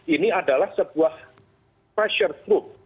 ini adalah sebuah pressure